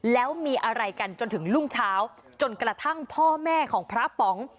แล้วมีอะไรกันจนถึงรุ่งเช้าจนกระทั่งพ่อแม่ของพระป๋อง